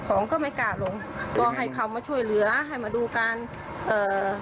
ของก็ไม่กล้าลงก็ให้เขามาช่วยเหลือให้มาดูการเอ่อ